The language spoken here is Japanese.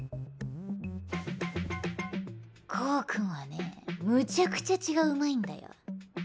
コウ君はねむちゃくちゃ血がうまいんだよ。